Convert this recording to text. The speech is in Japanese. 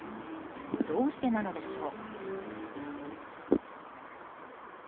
どうしてなのでしょう。